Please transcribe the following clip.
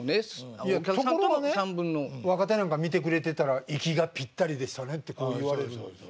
いやところがね若手なんか見てくれてたら「息がぴったりでしたね」ってこう言われるんですよ。